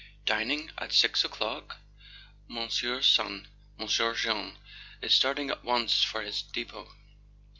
"Dining—at six o'clock?" "Monsieur's son, Monsieur Jean, is starting at once for his depot.